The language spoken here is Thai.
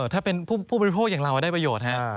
ถ้าเป็นผู้บริโภคอย่างเราได้ประโยชน์